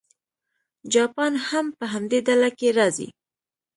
جاپان هم په همدې ډله کې راځي.